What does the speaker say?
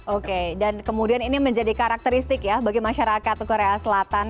oke dan kemudian ini menjadi karakteristik ya bagi masyarakat korea selatan